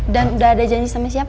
dan udah ada janji sama siapa